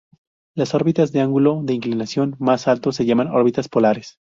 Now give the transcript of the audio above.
Las órbitas de ángulo de inclinación más alto se llaman órbitas polares.